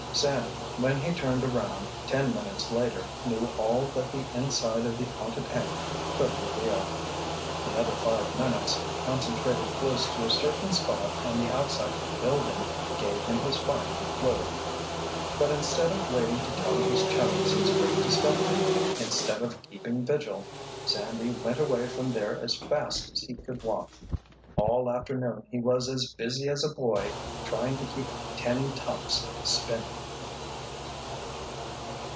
Sandy, when he turned around, ten minutes later, knew all that the inside of the haunted hangar could reveal. Another five minutes, concentrated close to a certain spot on the outside of the building, gave him his final clue. But instead of waiting to tell his chums his great discovery, instead of keeping vigil, Sandy went away from there as fast as he could walk. All afternoon he was as busy as a boy trying to keep ten tops spinning!